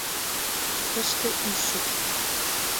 Тыште ӱшык.